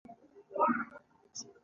مچمچۍ د نورو حیواناتو له ضررونو ځان ساتي